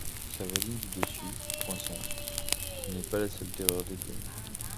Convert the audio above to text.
Sa voisine du dessous, Poinçon, n'est pas la seule terreur d'Edwin.